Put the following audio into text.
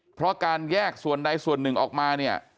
เพราะการแยกส่วนใดส่วนหนึ่งออกมาเนี่ย